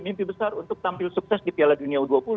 mimpi besar untuk tampil sukses di piala dunia u dua puluh